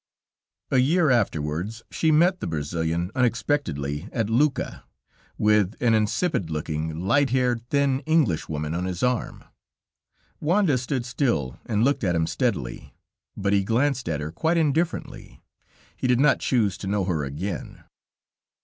A year afterwards she met the Brazilian unexpectedly at Lucca, with an insipid looking, light haired, thin Englishwoman on his arm. Wanda stood still and looked at him steadily, but he glanced at her quite indifferently; he did not choose to know her again.